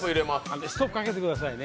ストップかけてくださいね。